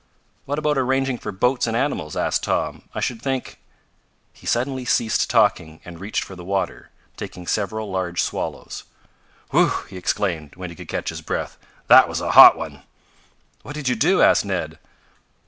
"What about arranging for boats and animals?" asked Tom. "I should think " He suddenly ceased talking and reached for the water, taking several large swallows. "Whew!" he exclaimed, when he could catch his breath. "That was a hot one." "What did you do?" asked Ned.